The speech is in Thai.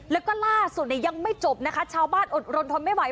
แล้วก็ล่าสุดเนี่ยยังไม่จบนะคะชาวบ้านอดรนทนไม่ไหว